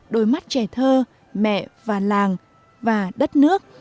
đôi mắt trẻ thơ mẹ và làng và đất nước